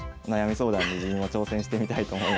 相談に自分も挑戦してみたいと思いました。